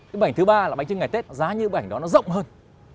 cái bức ảnh thứ ba là bánh trưng ngày tết giá như bức ảnh đó nó rộng hơn